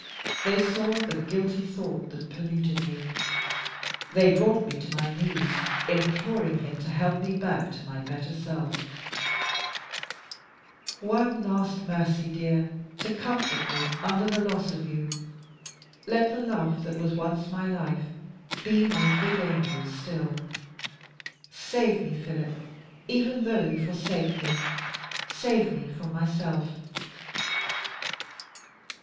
They saw the guilty thought that polluted me; they brought me to my knees, imploring him to help me back to my better self: "One last mercy, dear, to comfort me under the loss of you. Let the love that was once my life, be my good angel still. Save me, Philip, even though you forsake me save me from myself!"